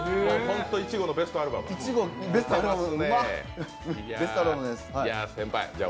いちごのベストアルバムです。